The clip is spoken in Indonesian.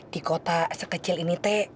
di kota sekecil ini teh